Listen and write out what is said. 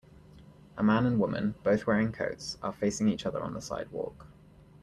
A man and woman, both wearing coats, are facing each other on the sidewalk.